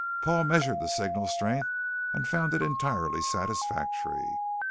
Paul measured the signal strength and found it entirely satisfactory.